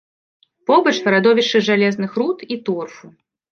Побач радовішчы жалезных руд і торфу.